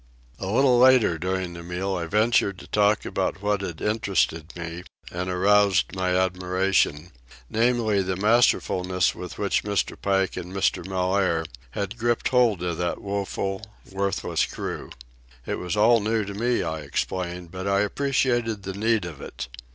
A little later during the meal I ventured to talk about what had interested me and aroused my admiration, namely, the masterfulness with which Mr. Pike and Mr. Mellaire had gripped hold of that woeful, worthless crew. It was all new to me, I explained, but I appreciated the need of it.